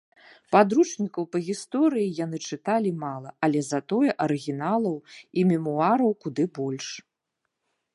Падручнікаў па гісторыі яны чыталі мала, але затое арыгіналаў і мемуараў куды больш.